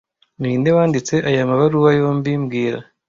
Ninde wanditse aya mabaruwa yombi mbwira